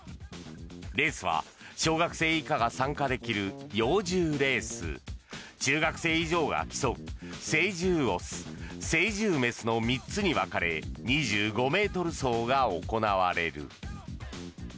レースは小学生以下が参加できる幼獣レース中学生以上が競う成獣オス成獣メスの３つに分かれ２５ｍ走が行われる。